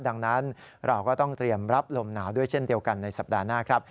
ดังนั้นเราก็ต้องเตรียมรับลมหนาวด้วยเช่นเดียวกันในสัปดาห์หน้าครับ